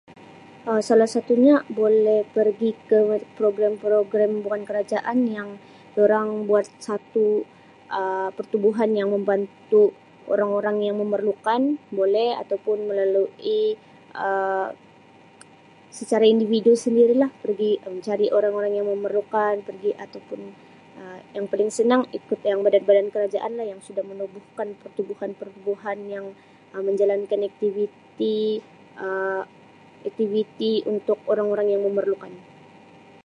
Um Salah satunya boleh pergi ke program-program bukan kerajaan yang dorang buat satu Um pertubuhan yang membantu orang-orang yang memerlukan, boleh ataupun melalui Um secara individu sendirilah pergi mencari orang lain yang memerlukan pergi ataupun Um yang paling senang ikut badan-badan kerajaanlah yang sudah menubuhkan pertubuhan-pertubuhan yang menjalankan aktiviti Um aktiviti untuk orang-orang yang memerlukan.